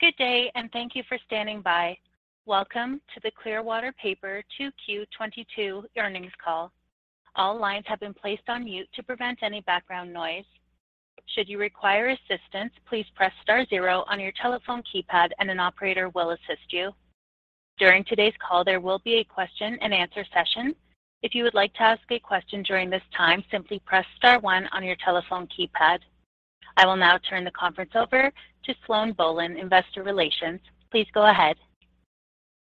Good day, and thank you for standing by. Welcome to the Clearwater Paper 2Q 2022 earnings call. All lines have been placed on mute to prevent any background noise. Should you require assistance, please press star zero on your telephone keypad, and an operator will assist you. During today's call, there will be a question and answer session. If you would like to ask a question during this time, simply press star one on your telephone keypad. I will now turn the conference over to Sloan Bohlen, Investor Relations. Please go ahead.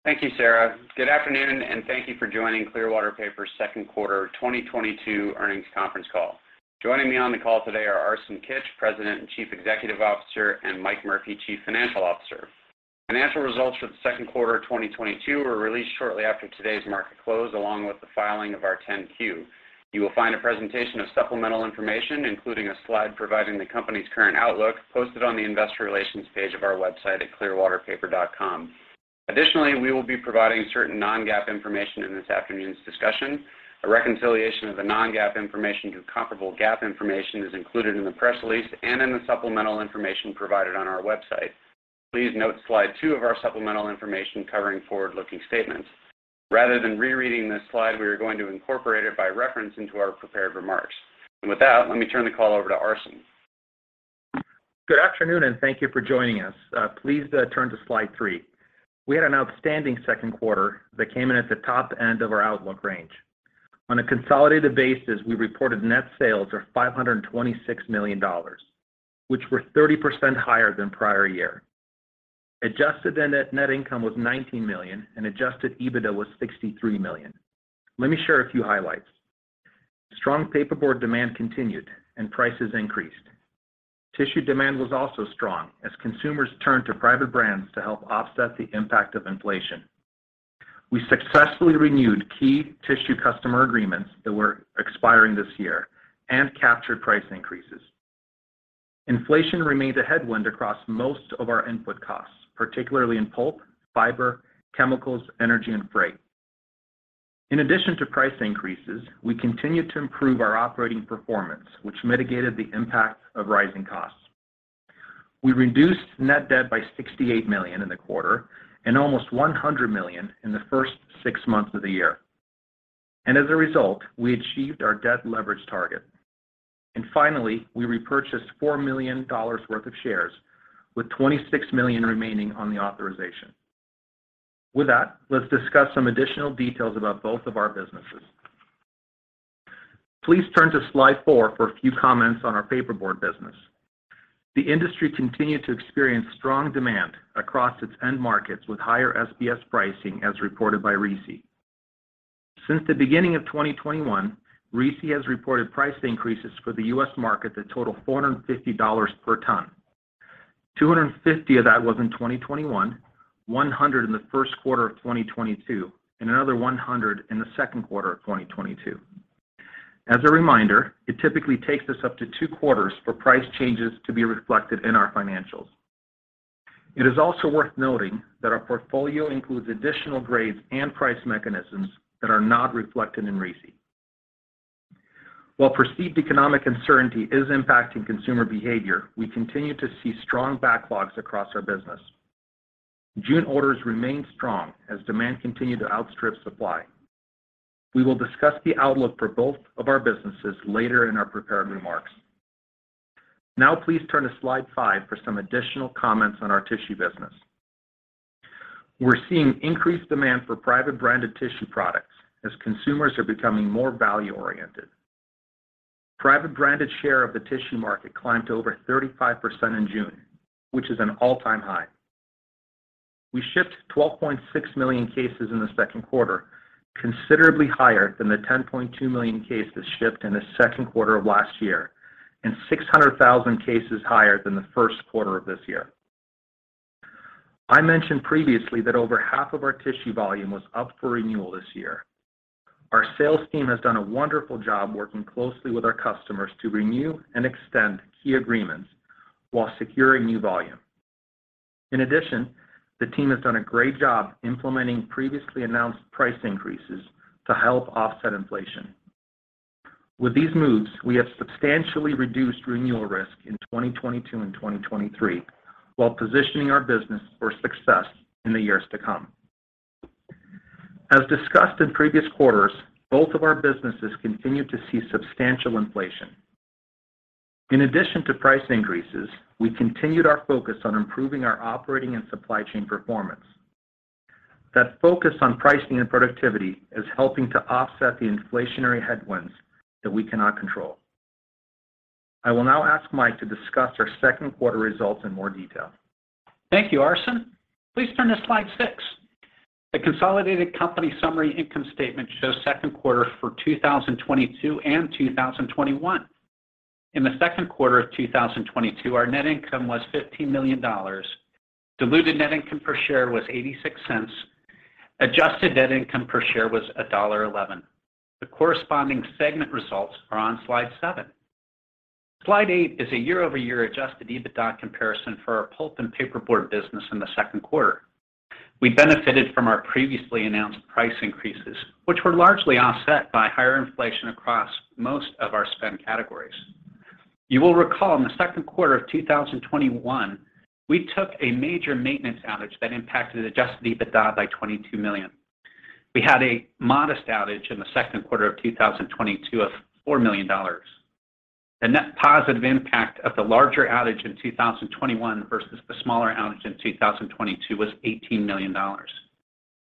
Thank you, Sarah. Good afternoon, and thank you for joining Clearwater Paper second quarter 2022 earnings conference call. Joining me on the call today are Arsen Kitch, President and Chief Executive Officer, and Mike Murphy, Chief Financial Officer. Financial results for the second quarter of 2022 were released shortly after today's market close, along with the filing of our 10-Q. You will find a presentation of supplemental information, including a slide providing the company's current outlook, posted on the investor relations page of our website at clearwaterpaper.com. Additionally, we will be providing certain non-GAAP information in this afternoon's discussion. A reconciliation of the non-GAAP information to comparable GAAP information is included in the press release and in the supplemental information provided on our website. Please note slide two of our supplemental information covering forward-looking statements. Rather than rereading this slide, we are going to incorporate it by reference into our prepared remarks. With that, let me turn the call over to Arsen. Good afternoon, and thank you for joining us. Please, turn to slide three. We had an outstanding second quarter that came in at the top end of our outlook range. On a consolidated basis, we reported net sales of $526 million, which were 30% higher than prior year. Adjusted net income was $19 million, and adjusted EBITDA was $63 million. Let me share a few highlights. Strong paperboard demand continued and prices increased. Tissue demand was also strong as consumers turned to private brands to help offset the impact of inflation. We successfully renewed key tissue customer agreements that were expiring this year and captured price increases. Inflation remained a headwind across most of our input costs, particularly in pulp, fiber, chemicals, energy, and freight. In addition to price increases, we continued to improve our operating performance, which mitigated the impact of rising costs. We reduced net debt by $68 million in the quarter and almost $100 million in the first six months of the year. As a result, we achieved our debt leverage target. Finally, we repurchased $4 million worth of shares with $26 million remaining on the authorization. With that, let's discuss some additional details about both of our businesses. Please turn to slide four for a few comments on our Paperboard business. The industry continued to experience strong demand across its end markets with higher SBS pricing as reported by RISI. Since the beginning of 2021, RISI has reported price increases for the U.S. market that total $450 per ton. $250 of that was in 2021, 100 in the first quarter of 2022, and another 100 in the second quarter of 2022. As a reminder, it typically takes us up to 2 quarters for price changes to be reflected in our financials. It is also worth noting that our portfolio includes additional grades and price mechanisms that are not reflected in RISI. While perceived economic uncertainty is impacting consumer behavior, we continue to see strong backlogs across our business. June orders remained strong as demand continued to outstrip supply. We will discuss the outlook for both of our businesses later in our prepared remarks. Now please turn to slide five for some additional comments on our tissue business. We're seeing increased demand for private branded tissue products as consumers are becoming more value-oriented. Private branded share of the tissue market climbed to over 35% in June, which is an all-time high. We shipped 12.6 million cases in the second quarter, considerably higher than the 10.2 million cases shipped in the second quarter of last year, and 600,000 cases higher than the first quarter of this year. I mentioned previously that over half of our tissue volume was up for renewal this year. Our sales team has done a wonderful job working closely with our customers to renew and extend key agreements while securing new volume. In addition, the team has done a great job implementing previously announced price increases to help offset inflation. With these moves, we have substantially reduced renewal risk in 2022 and 2023 while positioning our business for success in the years to come. As discussed in previous quarters, both of our businesses continue to see substantial inflation. In addition to price increases, we continued our focus on improving our operating and supply chain performance. That focus on pricing and productivity is helping to offset the inflationary headwinds that we cannot control. I will now ask Mike to discuss our second quarter results in more detail. Thank you, Arsen. Please turn to slide six. The consolidated company summary income statement shows second quarter for 2022 and 2021. In the second quarter of 2022, our net income was $15 million. Diluted net income per share was $0.86. Adjusted net income per share was $1.11. The corresponding segment results are on slide seven. Slide eight is a year-over-year adjusted EBITDA comparison for our pulp and paperboard business in the second quarter. We benefited from our previously announced price increases, which were largely offset by higher inflation across most of our spend categories. You will recall in the second quarter of 2021, we took a major maintenance outage that impacted adjusted EBITDA by $22 million. We had a modest outage in the second quarter of 2022 of $4 million. The net positive impact of the larger outage in 2021 versus the smaller outage in 2022 was $18 million.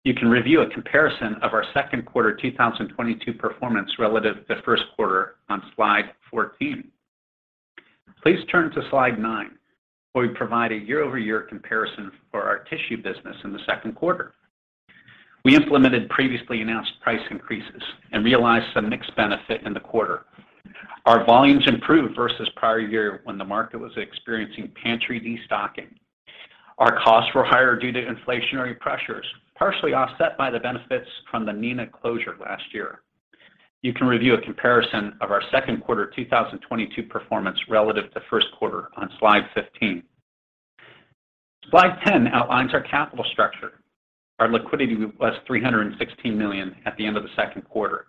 You can review a comparison of our second quarter 2022 performance relative to first quarter on slide 14. Please turn to slide nine, where we provide a year-over-year comparison for our Tissue business in the second quarter. We implemented previously announced price increases and realized some mixed benefit in the quarter. Our volumes improved versus prior year when the market was experiencing pantry destocking. Our costs were higher due to inflationary pressures, partially offset by the benefits from the Neenah closure last year. You can review a comparison of our second quarter 2022 performance relative to first quarter on slide 15. Slide 10 outlines our capital structure. Our liquidity was $316 million at the end of the second quarter.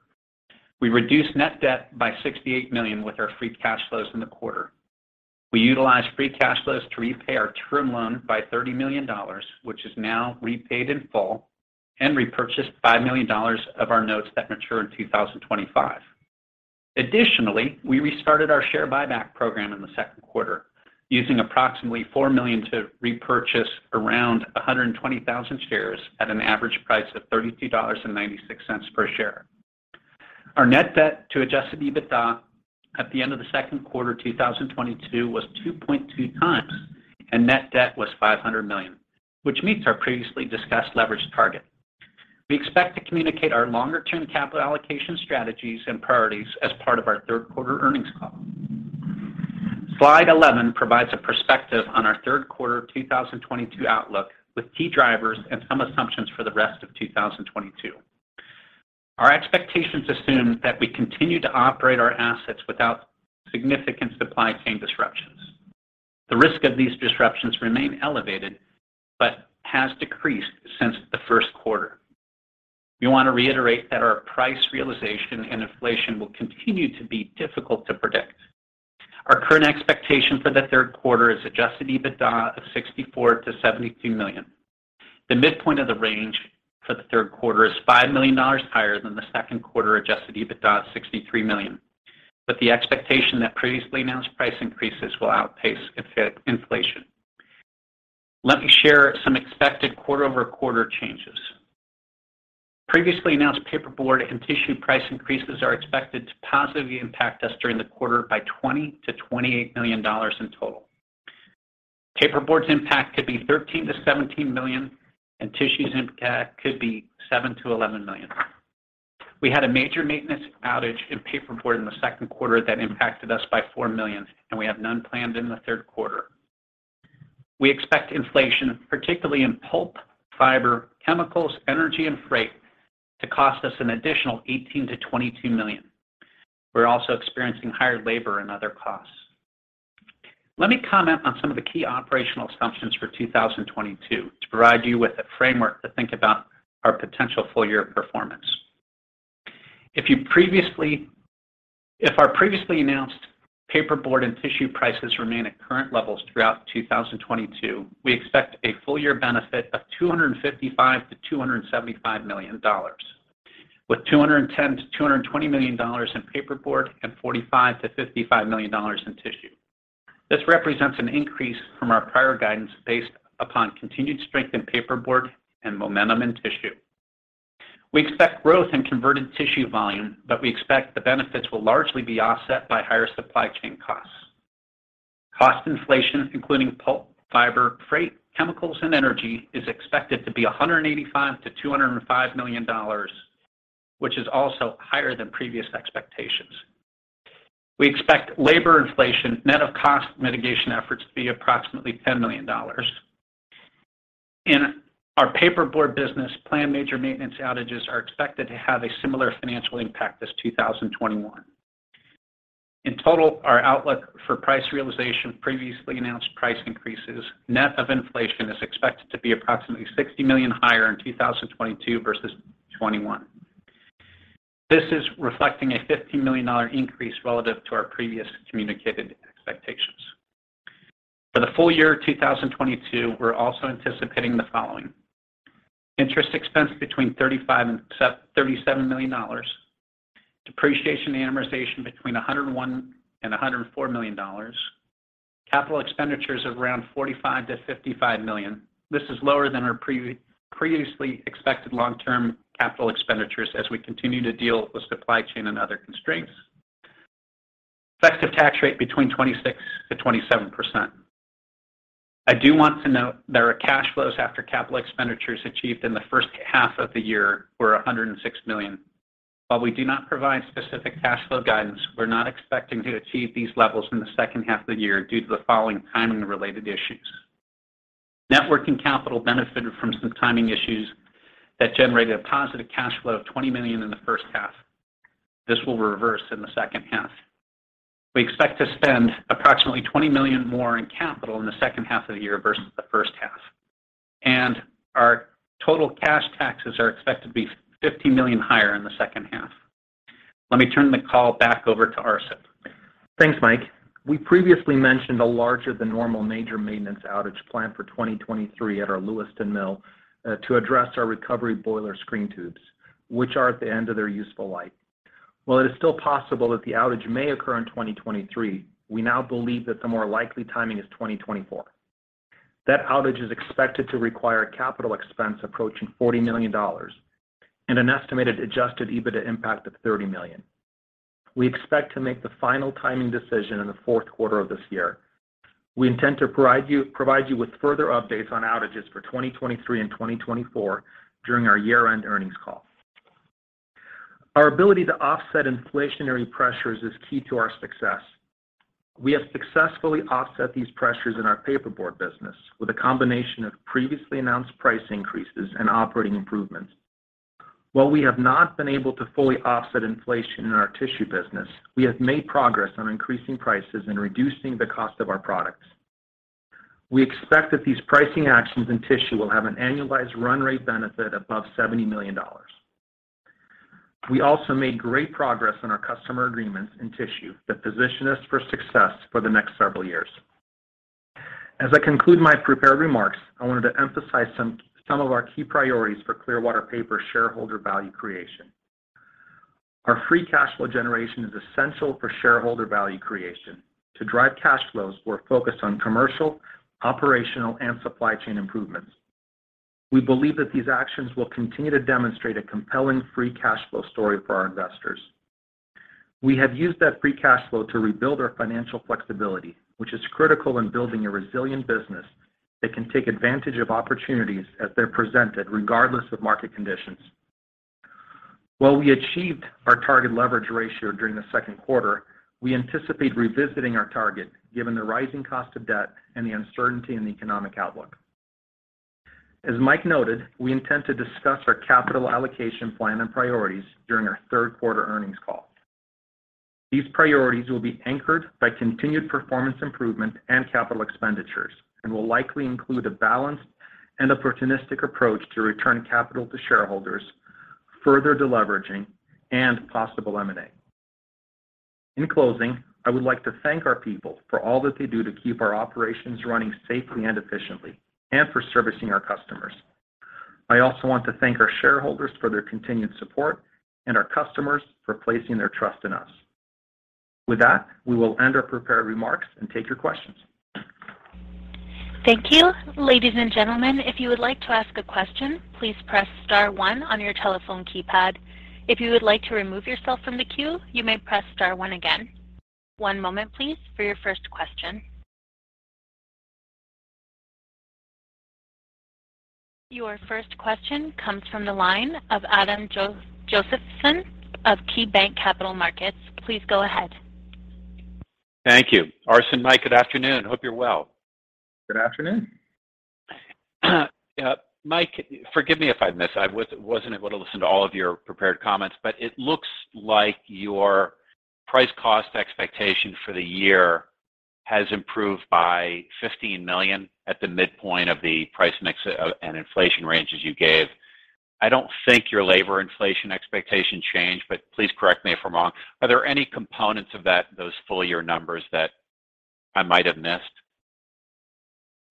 We reduced net debt by $68 million with our free cash flows in the quarter. We utilized free cash flows to repay our term loan by $30 million, which is now repaid in full, and repurchased $5 million of our notes that mature in 2025. Additionally, we restarted our share buyback program in the second quarter, using approximately $4 million to repurchase around 120,000 shares at an average price of $32.96 per share. Our net debt to Adjusted EBITDA at the end of the second quarter 2022 was 2.2x, and net debt was $500 million, which meets our previously discussed leverage target. We expect to communicate our longer-term capital allocation strategies and priorities as part of our third quarter earnings call. Slide 11 provides a perspective on our third quarter 2022 outlook with key drivers and some assumptions for the rest of 2022. Our expectations assume that we continue to operate our assets without significant supply chain disruptions. The risk of these disruptions remain elevated, but has decreased since the first quarter. We want to reiterate that our price realization and inflation will continue to be difficult to predict. Our current expectation for the third quarter is Adjusted EBITDA of $64 million-$72 million. The midpoint of the range for the third quarter is $5 million higher than the second quarter Adjusted EBITDA of $63 million. The expectation that previously announced price increases will outpace inflation. Let me share some expected quarter-over-quarter changes. Previously announced paperboard and tissue price increases are expected to positively impact us during the quarter by $20 million-$28 million in total. Paperboard's impact could be $13 million-$17 million, and tissue's impact could be $7 million-$11 million. We had a major maintenance outage in Paperboard in the second quarter that impacted us by $4 million, and we have none planned in the third quarter. We expect inflation, particularly in pulp, fiber, chemicals, energy, and freight, to cost us an additional $18 million-$22 million. We're also experiencing higher labor and other costs. Let me comment on some of the key operational assumptions for 2022 to provide you with a framework to think about our potential full year performance. If our previously announced paperboard and tissue prices remain at current levels throughout 2022, we expect a full year benefit of $255 million-$275 million, with $210 million-$220 million in Paperboard and $45 million-$55 million in Tissue. This represents an increase from our prior guidance based upon continued strength in Paperboard and momentum in Tissue. We expect growth in converted Tissue volume, but we expect the benefits will largely be offset by higher supply chain costs. Cost inflation, including pulp, fiber, freight, chemicals, and energy, is expected to be $185 million-$205 million, which is also higher than previous expectations. We expect labor inflation, net of cost mitigation efforts, to be approximately $10 million. In our paperboard business, planned major maintenance outages are expected to have a similar financial impact as 2021. In total, our outlook for price realization, previously announced price increases, net of inflation, is expected to be approximately $60 million higher in 2022 versus 2021. This is reflecting a $50 million increase relative to our previous communicated expectations. For the full year 2022, we're also anticipating the following. Interest expense between $35 million-$37 million. Depreciation and amortization between $101 million-$104 million. Capital expenditures of around $45 million-$55 million. This is lower than our previously expected long-term capital expenditures as we continue to deal with supply chain and other constraints. Effective tax rate between 26%-27%. I do want to note that our cash flows after capital expenditures achieved in the first half of the year were $106 million. While we do not provide specific cash flow guidance, we're not expecting to achieve these levels in the second half of the year due to the following timing-related issues. Net working capital benefited from some timing issues that generated a positive cash flow of $20 million in the first half. This will reverse in the second half. We expect to spend approximately $20 million more in capital in the second half of the year versus the first half. Our total cash taxes are expected to be $50 million higher in the second half. Let me turn the call back over to Arsen. Thanks, Mike. We previously mentioned a larger than normal major maintenance outage planned for 2023 at our Lewiston mill to address our recovery boiler screen tubes, which are at the end of their useful life. While it is still possible that the outage may occur in 2023, we now believe that the more likely timing is 2024. That outage is expected to require a capital expense approaching $40 million and an estimated adjusted EBITDA impact of $30 million. We expect to make the final timing decision in the fourth quarter of this year. We intend to provide you with further updates on outages for 2023 and 2024 during our year-end earnings call. Our ability to offset inflationary pressures is key to our success. We have successfully offset these pressures in our Paperboard business with a combination of previously announced price increases and operating improvements. While we have not been able to fully offset inflation in our Tissue business, we have made progress on increasing prices and reducing the cost of our products. We expect that these pricing actions in tissue will have an annualized run rate benefit above $70 million. We also made great progress on our customer agreements in tissue that position us for success for the next several years. As I conclude my prepared remarks, I wanted to emphasize some of our key priorities for Clearwater Paper shareholder value creation. Our free cash flow generation is essential for shareholder value creation. To drive cash flows, we're focused on commercial, operational, and supply chain improvements. We believe that these actions will continue to demonstrate a compelling free cash flow story for our investors. We have used that free cash flow to rebuild our financial flexibility, which is critical in building a resilient business that can take advantage of opportunities as they're presented, regardless of market conditions. While we achieved our target leverage ratio during the second quarter, we anticipate revisiting our target given the rising cost of debt and the uncertainty in the economic outlook. As Mike noted, we intend to discuss our capital allocation plan and priorities during our third quarter earnings call. These priorities will be anchored by continued performance improvement and capital expenditures and will likely include a balanced and opportunistic approach to return capital to shareholders, further deleveraging, and possible M&A. In closing, I would like to thank our people for all that they do to keep our operations running safely and efficiently, and for servicing our customers. I also want to thank our shareholders for their continued support and our customers for placing their trust in us. With that, we will end our prepared remarks and take your questions. Thank you. Ladies and gentlemen, if you would like to ask a question, please press star one on your telephone keypad. If you would like to remove yourself from the queue, you may press star one again. One moment, please, for your first question. Your first question comes from the line of Adam Josephson of KeyBanc Capital Markets. Please go ahead. Thank you. Arsen, Mike, good afternoon. Hope you're well. Good afternoon. Mike, forgive me if I missed. I wasn't able to listen to all of your prepared comments, but it looks like your price cost expectation for the year has improved by $15 million at the midpoint of the price mix and inflation ranges you gave. I don't think your labor inflation expectations changed, but please correct me if I'm wrong. Are there any components of those full year numbers that I might have missed?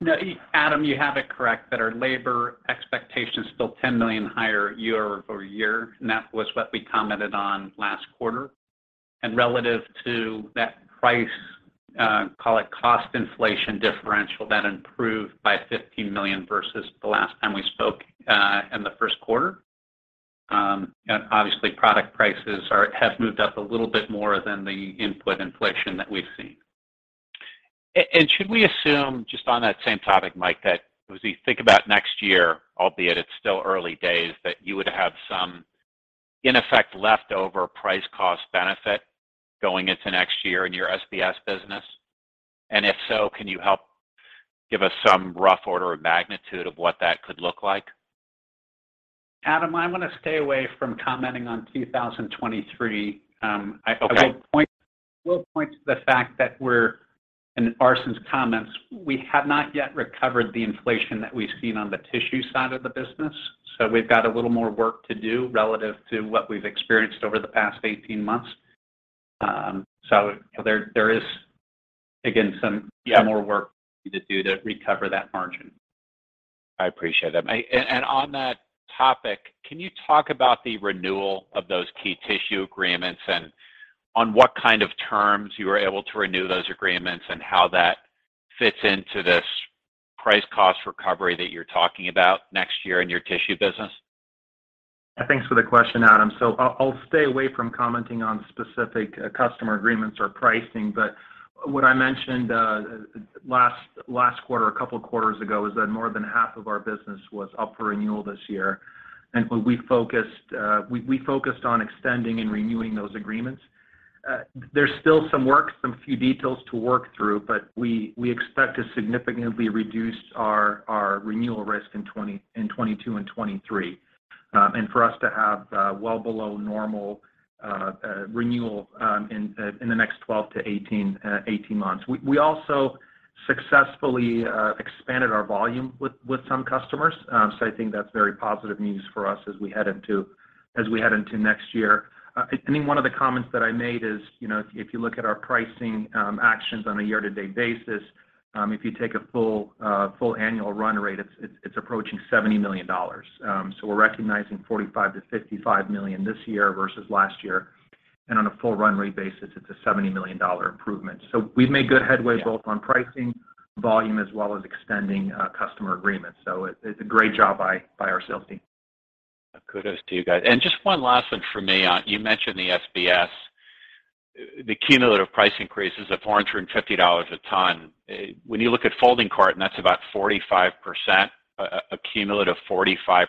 No, Adam, you have it correct that our labor expectation is still $10 million higher year-over-year, and that was what we commented on last quarter. Relative to that price, call it cost inflation differential, that improved by $15 million versus the last time we spoke in the first quarter. Obviously product prices have moved up a little bit more than the input inflation that we've seen. should we assume, just on that same topic, Mike, that as we think about next year, albeit it's still early days, that you would have some, in effect, leftover price cost benefit going into next year in your SBS business? If so, can you help give us some rough order of magnitude of what that could look like? Adam, I want to stay away from commenting on 2023. Okay. I will point to the fact that we're in Arsen's comments, we have not yet recovered the inflation that we've seen on the Tissue side of the business. We've got a little more work to do relative to what we've experienced over the past 18 months- Yeah. more work to do to recover that margin. I appreciate that. On that topic, can you talk about the renewal of those key tissue agreements and on what kind of terms you were able to renew those agreements and how that fits into this price cost recovery that you're talking about next year in your Tissue business? Thanks for the question, Adam. I'll stay away from commenting on specific customer agreements or pricing. What I mentioned last quarter, a couple quarters ago, is that more than half of our business was up for renewal this year. We focused on extending and renewing those agreements. There's still some work, some few details to work through, but we expect to significantly reduce our renewal risk in 2022 and 2023. For us to have well below normal renewal in the next 12 to 18 months. We also successfully expanded our volume with some customers. I think that's very positive news for us as we head into next year. I think one of the comments that I made is, you know, if you look at our pricing actions on a year-to-date basis, if you take a full annual run rate, it's approaching $70 million. We're recognizing $45 million-$55 million this year versus last year. On a full run rate basis, it's a $70 million improvement. We've made good headway both on pricing, volume, as well as extending customer agreements. It's a great job by our sales team. Kudos to you guys. Just one last one for me. You mentioned the SBS. The cumulative price increase is at $450 a ton. When you look at folding carton, that's about 45%, a cumulative 45%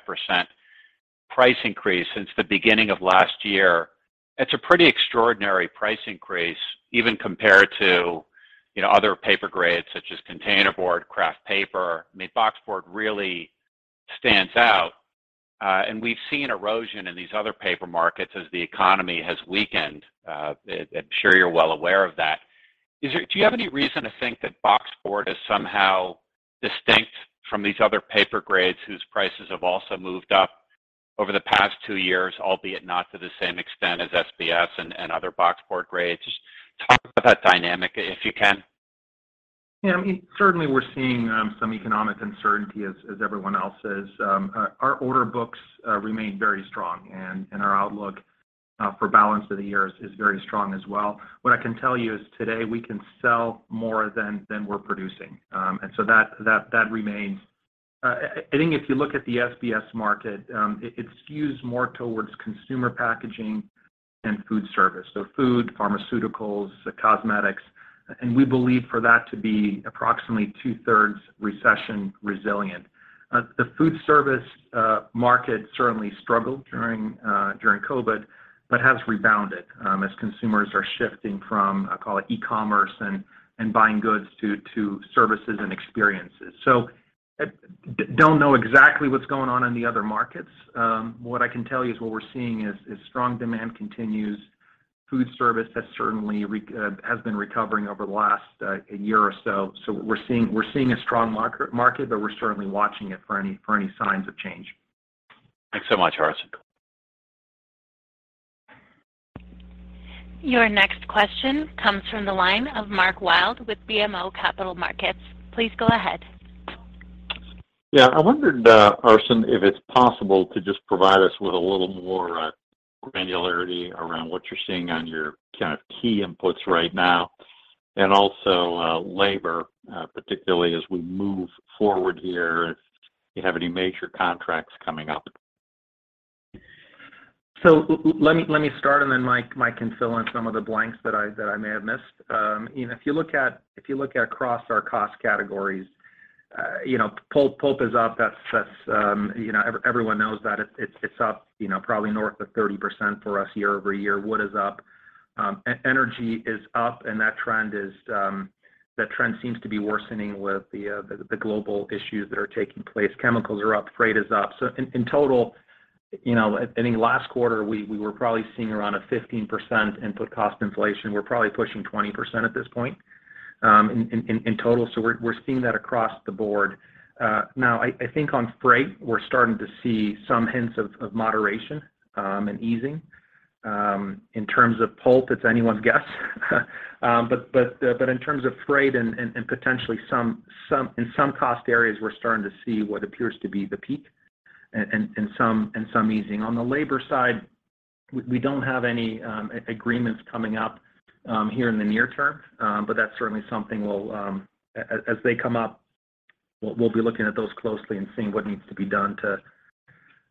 price increase since the beginning of last year. It's a pretty extraordinary price increase, even compared to, you know, other paper grades such as container board, kraft paper. I mean, box board really stands out. We've seen erosion in these other paper markets as the economy has weakened. I'm sure you're well aware of that. Do you have any reason to think that box board is somehow distinct from these other paper grades whose prices have also moved up over the past two years, albeit not to the same extent as SBS and other box board grades? Just talk about that dynamic, if you can. Yeah, I mean, certainly we're seeing some economic uncertainty as everyone else is. Our order books remain very strong, and our outlook for balance of the year is very strong as well. What I can tell you is today we can sell more than we're producing. That remains. I think if you look at the SBS market, it skews more towards consumer packaging and food service. Food, pharmaceuticals, cosmetics. We believe for that to be approximately two-thirds recession resilient. The food service market certainly struggled during COVID, but has rebounded as consumers are shifting from, I call it e-commerce and buying goods to services and experiences. Don't know exactly what's going on in the other markets. What I can tell you is what we're seeing is strong demand continues. Food service has certainly been recovering over the last year or so. We're seeing a strong market, but we're certainly watching it for any signs of change. Thanks so much, Arsen. Your next question comes from the line of Mark Wilde with BMO Capital Markets. Please go ahead. Yeah. I wondered, Arsen, if it's possible to just provide us with a little more granularity around what you're seeing on your kind of key inputs right now. Labor, particularly as we move forward here, if you have any major contracts coming up. Let me start, and then Mike can fill in some of the blanks that I may have missed. You know, if you look at across our cost categories, you know, pulp is up. That's everyone knows that. It's up, you know, probably north of 30% for us year-over-year. Wood is up. Energy is up, and that trend seems to be worsening with the global issues that are taking place. Chemicals are up, freight is up. In total, you know, I think last quarter we were probably seeing around a 15% input cost inflation. We're probably pushing 20% at this point, in total. We're seeing that across the board. Now, I think on freight, we're starting to see some hints of moderation and easing. In terms of pulp, it's anyone's guess. In terms of freight and potentially in some cost areas, we're starting to see what appears to be the peak and some easing. On the labor side, we don't have any agreements coming up here in the near term. That's certainly something we'll, as they come up, we'll be looking at those closely and seeing what needs to be done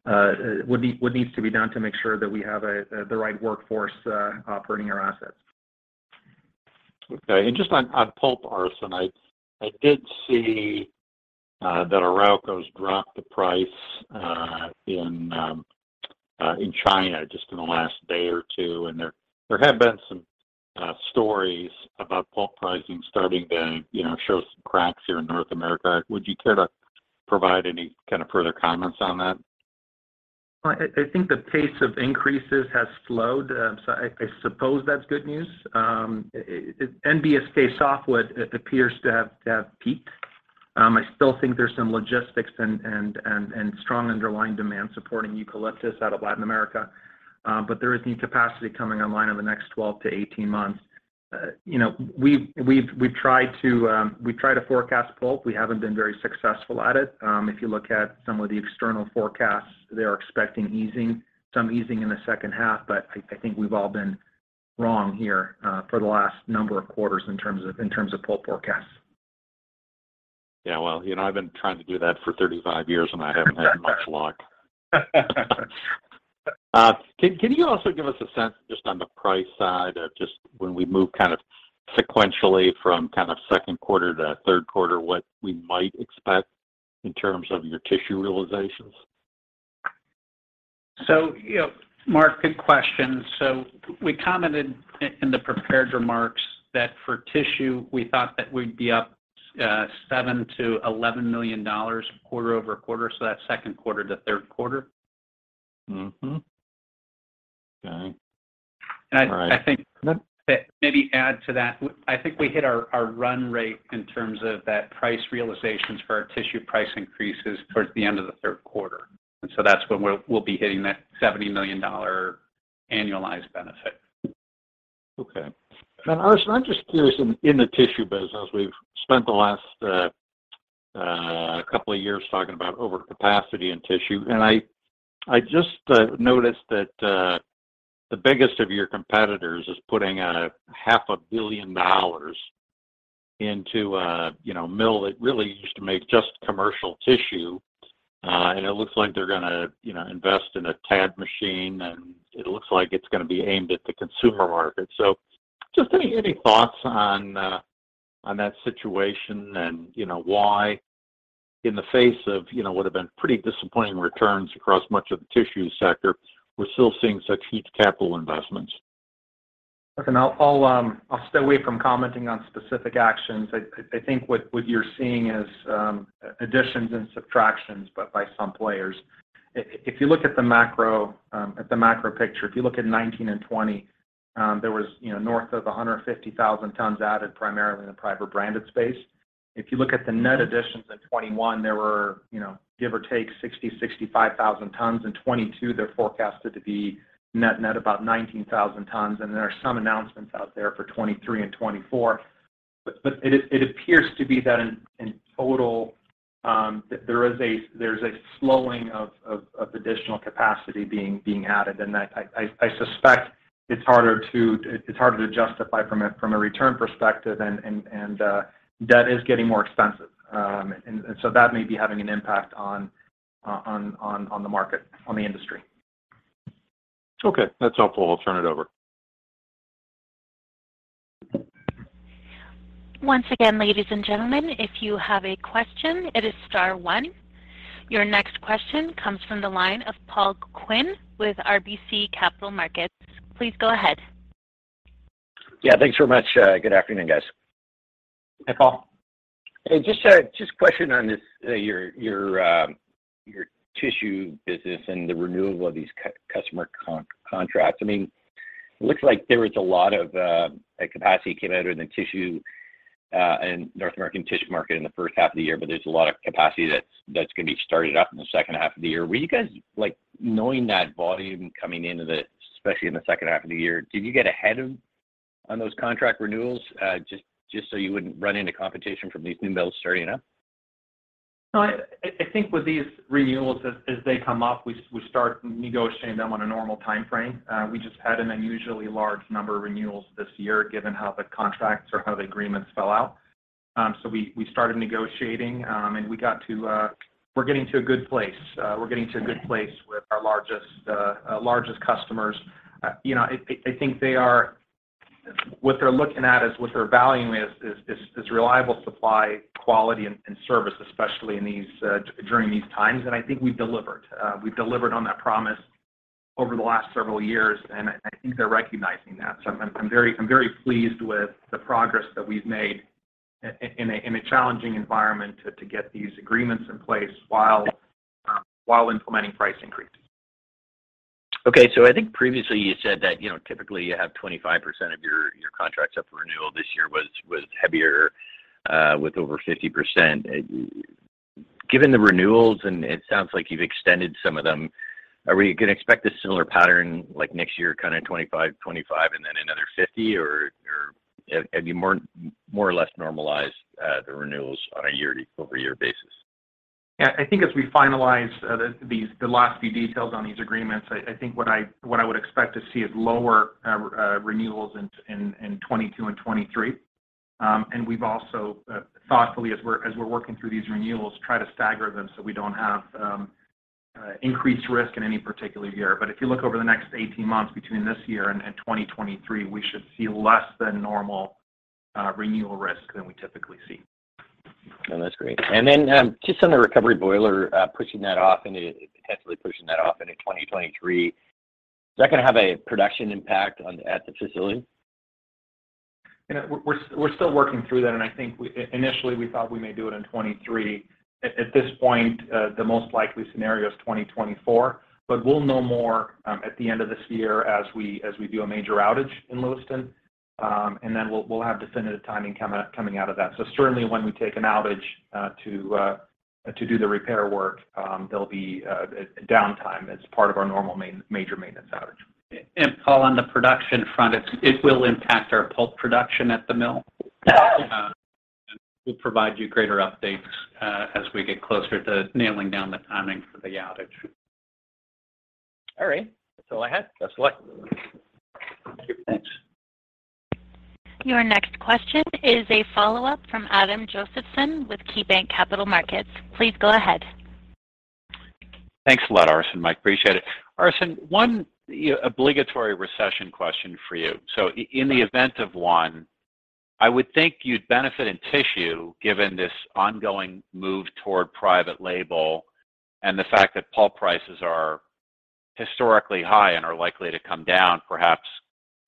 to make sure that we have the right workforce operating our assets. Okay. Just on pulp, Arsen, I did see that Arauco's dropped the price in China just in the last day or two. There have been some stories about pulp pricing starting to, you know, show some cracks here in North America. Would you care to provide any kind of further comments on that? I think the pace of increases has slowed. So I suppose that's good news. NBSK softwood appears to have peaked. I still think there's some logistics and strong underlying demand supporting eucalyptus out of Latin America. But there is new capacity coming online in the next 12 to 18 months. You know, we've tried to forecast pulp. We haven't been very successful at it. If you look at some of the external forecasts, they are expecting easing, some easing in the second half. I think we've all been wrong here for the last number of quarters in terms of pulp forecasts. Yeah, well, you know, I've been trying to do that for 35 years, and I haven't had much luck. Can you also give us a sense just on the price side, just when we move kind of sequentially from kind of second quarter to third quarter, what we might expect in terms of your tissue realizations? You know, Mark, good question. We commented in the prepared remarks that for tissue, we thought that we'd be up $7 million-$11 million quarter-over-quarter, that second quarter to third quarter. Okay. All right. I think maybe add to that. I think we hit our run-rate in terms of that price realizations for our tissue price increases towards the end of the third quarter. That's when we'll be hitting that $70 million annualized benefit. Okay. Arsen, I'm just curious, in the Tissue business, we've spent the last couple of years talking about overcapacity in tissue. I just noticed that the biggest of your competitors is putting a half a billion dollars into a, you know, mill that really used to make just commercial tissue. It looks like they're gonna, you know, invest in a TAD machine, and it looks like it's gonna be aimed at the consumer market. Just any thoughts on that situation and, you know, why in the face of, you know, what have been pretty disappointing returns across much of the tissue sector, we're still seeing such huge capital investments? Okay. I'll stay away from commenting on specific actions. I think what you're seeing is additions and subtractions, but by some players. If you look at the macro picture, if you look at 2019 and 2020, there was, you know, north of 150,000 tons added primarily in the private branded space. If you look at the net additions in 2021, there were, you know, give or take 60,000-65,0000 tons. In 2022, they're forecasted to be net-net about 19,000 tons, and there are some announcements out there for 2023 and 2024. It appears to be that in total, there is a slowing of additional capacity being added. I suspect it's harder to justify from a return perspective and debt is getting more expensive. That may be having an impact on the market, on the industry. Okay. That's helpful. I'll turn it over. Once again, ladies and gentlemen, if you have a question, it is star one. Your next question comes from the line of Paul Quinn with RBC Capital Markets. Please go ahead. Yeah, thanks very much. Good afternoon, guys. Hi, Paul. Hey, just a question on this, your Tissue business and the renewal of these customer contracts. I mean, it looks like there was a lot of capacity that came out of the tissue in North American tissue market in the first half of the year, but there's a lot of capacity that's gonna be started up in the second half of the year. Were you guys, like, knowing that volume coming into especially in the second half of the year, did you get ahead on those contract renewals, just so you wouldn't run into competition from these new mills starting up? No, I think with these renewals as they come up, we start negotiating them on a normal timeframe. We just had an unusually large number of renewals this year given how the contracts or how the agreements fell out. We started negotiating, and we're getting to a good place. We're getting to a good place with our largest customers. You know, I think what they're looking at is what they're valuing is reliable supply, quality, and service, especially during these times, and I think we've delivered. We've delivered on that promise over the last several years, and I think they're recognizing that. I'm very pleased with the progress that we've made in a challenging environment to get these agreements in place while implementing price increases. Okay. I think previously you said that, you know, typically you have 25% of your contracts up for renewal. This year was heavier with over 50%. Given the renewals, and it sounds like you've extended some of them, are we gonna expect a similar pattern like next year, kind of 25%, and then another 50%, or have you more or less normalized the renewals on a year-over-year basis? I think as we finalize these last few details on these agreements, I think what I would expect to see is lower renewals in 2022 and 2023. We've also thoughtfully as we're working through these renewals, try to stagger them so we don't have increased risk in any particular year. If you look over the next 18 months between this year and 2023, we should see less than normal renewal risk than we typically see. Oh, that's great. Just on the recovery boiler, potentially pushing that off into 2023, is that gonna have a production impact on the facility? You know, we're still working through that. I think initially we thought we may do it in 2023. At this point, the most likely scenario is 2024. We'll know more at the end of this year as we do a major outage in Lewiston. We'll have definitive timing coming out of that. Certainly when we take an outage to do the repair work, there'll be a downtime as part of our normal major maintenance outage. Paul, on the production front, it will impact our pulp production at the mill. We'll provide you greater updates as we get closer to nailing down the timing for the outage. All right. That's all I had. Best of luck. Thank you. Thanks. Your next question is a follow-up from Adam Josephson with KeyBanc Capital Markets. Please go ahead. Thanks a lot, Arsen, Mike. Appreciate it. Arsen, one, you know, obligatory recession question for you. In the event of one, I would think you'd benefit in tissue given this ongoing move toward private label and the fact that pulp prices are historically high and are likely to come down perhaps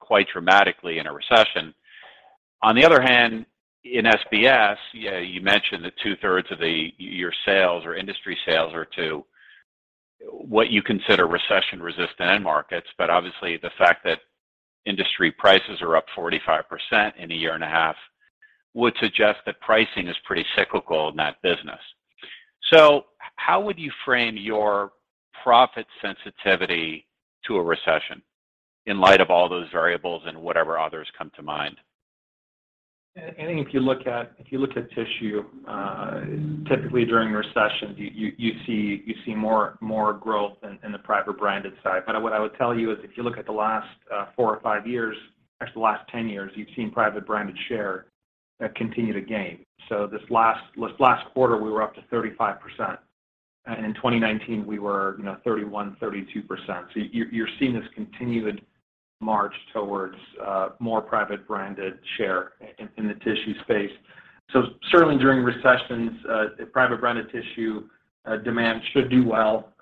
quite dramatically in a recession. On the other hand, in SBS, you mentioned that 2/3 of your sales or industry sales are to what you consider recession-resistant end markets. Obviously, the fact that industry prices are up 45% in a year and a half would suggest that pricing is pretty cyclical in that business. How would you frame your profit sensitivity to a recession in light of all those variables and whatever others come to mind? If you look at tissue, typically during recessions, you see more growth in the private branded side. But what I would tell you is if you look at the last four or five years, actually the last 10 years, you've seen private branded share continue to gain. So this last quarter, we were up to 35%. In 2019, we were, you know, 31%-32%. So you're seeing this continued march towards more private branded share in the tissue space. So certainly during recessions, private branded tissue demand should do well.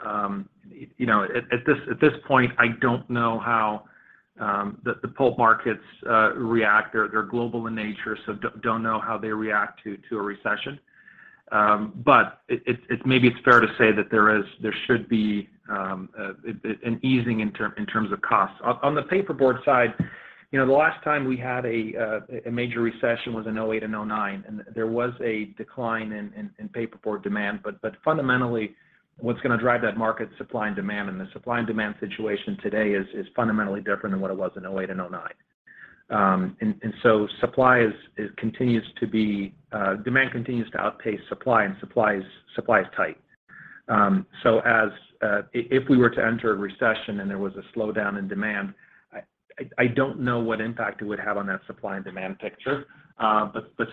You know, at this point, I don't know how the pulp markets react. They're global in nature, so don't know how they react to a recession. Maybe it's fair to say that there should be an easing in terms of cost. On the paperboard side, you know, the last time we had a major recession was in 2008-2009, and there was a decline in paperboard demand. Fundamentally, what's gonna drive that market? Supply and demand. The supply and demand situation today is fundamentally different than what it was in 2008-2009. So supply continues to be tight. Demand continues to outpace supply, and supply is tight. So if we were to enter a recession and there was a slowdown in demand, I don't know what impact it would have on that supply and demand picture.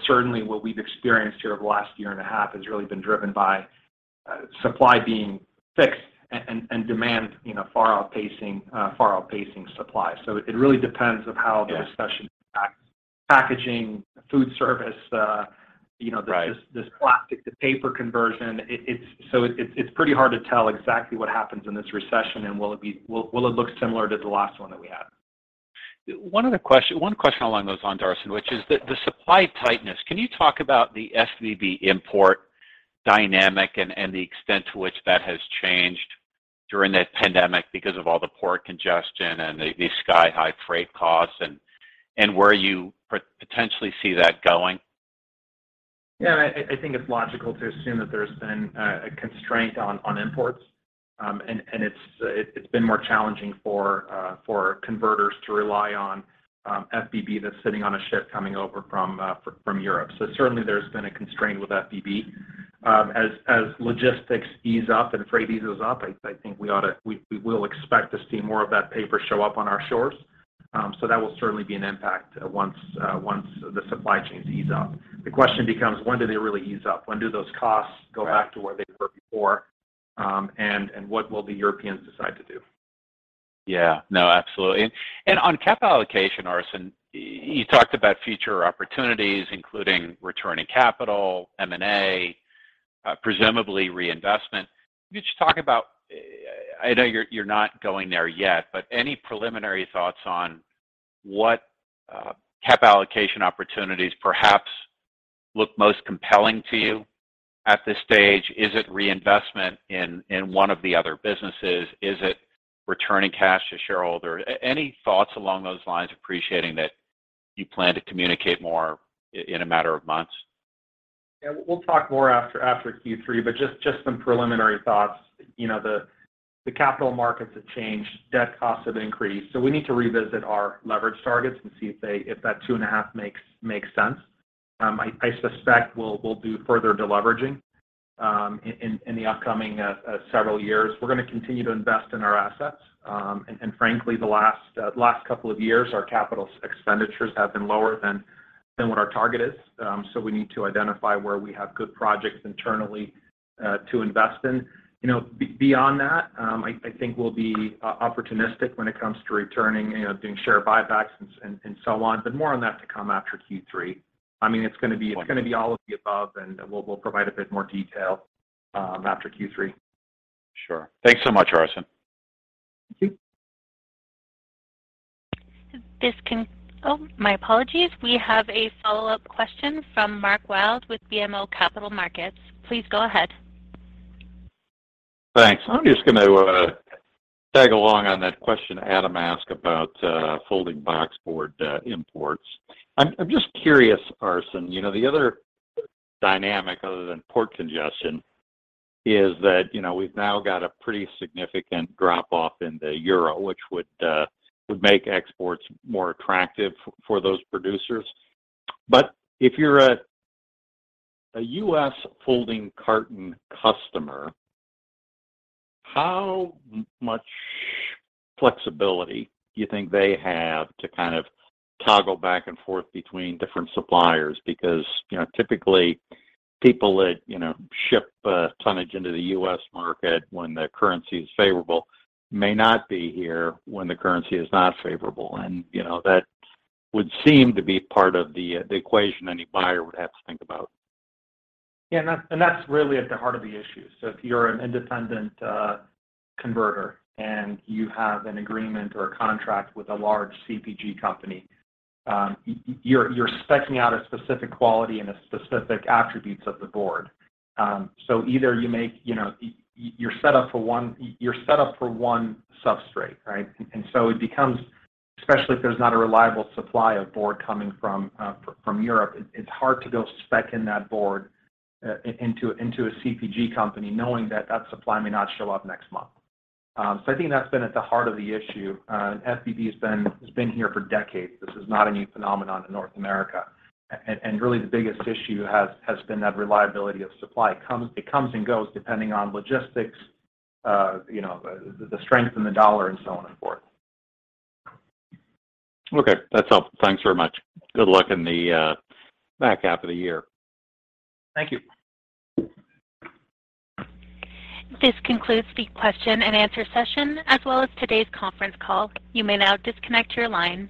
Certainly what we've experienced here over the last year and a half has really been driven by supply being fixed and demand, you know, far outpacing supply. It really depends on how the recession impacts packaging, food service, you know, this plastic to paper conversion. It's pretty hard to tell exactly what happens in this recession and will it look similar to the last one that we had? One question along those lines, Arsen, which is the supply tightness. Can you talk about the FBB import dynamic and the extent to which that has changed during the pandemic because of all the port congestion and the sky-high freight costs and where you potentially see that going? Yeah. I think it's logical to assume that there's been a constraint on imports. It's been more challenging for converters to rely on FBB that's sitting on a ship coming over from Europe. Certainly there's been a constraint with FBB. As logistics ease up and freight eases up, I think we will expect to see more of that paper show up on our shores. That will certainly be an impact once the supply chains ease up. The question becomes, when do they really ease up? When do those costs go back to where they were before? What will the Europeans decide to do? Yeah. No, absolutely. On capital allocation, Arsen, you talked about future opportunities, including returning capital, M&A, presumably reinvestment. Could you just talk about? I know you're not going there yet, but any preliminary thoughts on what capital allocation opportunities perhaps look most compelling to you at this stage? Is it reinvestment in one of the other businesses? Is it returning cash to shareholders? Any thoughts along those lines, appreciating that you plan to communicate more in a matter of months? Yeah. We'll talk more after Q3, but just some preliminary thoughts. You know, the capital markets have changed. Debt costs have increased. We need to revisit our leverage targets and see if that 2.5x makes sense. I suspect we'll do further deleveraging in the upcoming several years. We're gonna continue to invest in our assets. Frankly, the last couple of years, our capital expenditures have been lower than what our target is. We need to identify where we have good projects internally to invest in. You know, beyond that, I think we'll be opportunistic when it comes to returning, you know, doing share buybacks and so on. More on that to come after Q3. I mean, it's gonna be all of the above, and we'll provide a bit more detail after Q3. Sure. Thanks so much, Arsen Kitch. Thank you. Oh, my apologies. We have a follow-up question from Mark Wilde with BMO Capital Markets. Please go ahead. Thanks. I'm just gonna tag along on that question Adam asked about folding boxboard imports. I'm just curious, Arsen, you know, the other dynamic other than port congestion is that, you know, we've now got a pretty significant drop-off in the euro, which would make exports more attractive for those producers. If you're a U.S. folding carton customer, how much flexibility do you think they have to kind of toggle back and forth between different suppliers? Because, you know, typically people that, you know, ship tonnage into the U.S. market when the currency is favorable may not be here when the currency is not favorable. You know, that would seem to be part of the equation any buyer would have to think about. Yeah. That's really at the heart of the issue. If you're an independent converter, and you have an agreement or a contract with a large CPG company, you're spec'ing out a specific quality and the specific attributes of the board. You know, you're set up for one substrate, right? It becomes, especially if there's not a reliable supply of board coming from from Europe, it's hard to go spec in that board into a CPG company knowing that that supply may not show up next month. I think that's been at the heart of the issue. FBB has been here for decades. This is not a new phenomenon in North America. Really the biggest issue has been that reliability of supply. It comes and goes depending on logistics, you know, the strength in the dollar, and so on and forth. Okay. That's all. Thanks very much. Good luck in the back half of the year. Thank you. This concludes the question and answer session, as well as today's conference call. You may now disconnect your line.